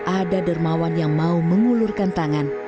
ada dermawan yang mau mengulurkan tangan